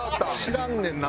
知らんねんな